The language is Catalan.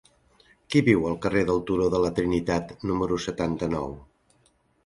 Qui viu al carrer del Turó de la Trinitat número setanta-nou?